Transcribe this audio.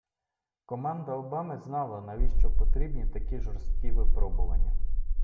Команда Обами знала, навіщо потрібні такі жорсткі випробування.